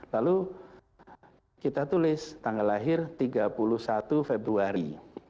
lalu kita tulis tanggal lahir tiga puluh satu februari